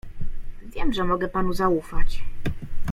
"Wiem, że mogę panu zaufać."